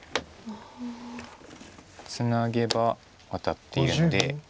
ツナげばワタっているので。